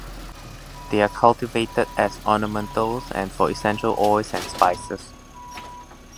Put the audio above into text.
They are cultivated as ornamentals and for essential oils and spices.